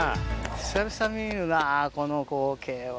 久々に見るな、この光景は。